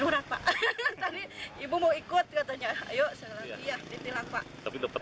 darurat pak tadi ibu mau ikut katanya ayo selanjutnya ya ditilang pak